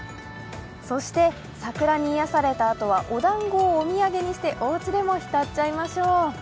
そして桜に癒やされたあとはおだんごをお土産にしておうちでも浸っちゃいましょう。